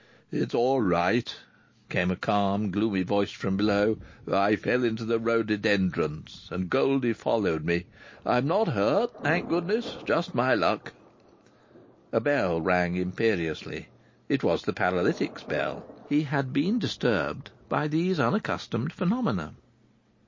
"It's all right," came a calm, gloomy voice from below. "I fell into the rhododendrons, and Goldie followed me. I'm not hurt, thank goodness! Just my luck!" A bell rang imperiously. It was the paralytic's bell. He had been disturbed by these unaccustomed phenomena.